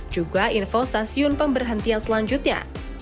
juga info stasiun pemberhentian selanjutnya